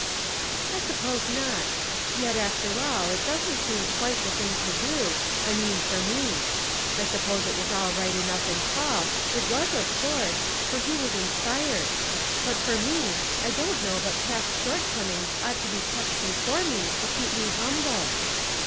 "I suppose not. Yet, after all, it doesn't seem quite the thing to do — I mean for me. I suppose it was all right enough in Paul — it was of course — for he was inspired ; but for me, I don't know but past shortcomings ought to be kept before me to keep me humble."